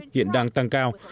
hiện đang tăng cao